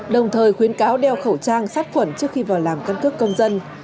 đồng thời khuyến cáo đeo khẩu trang sát khuẩn trước khi vào làm căn cước công dân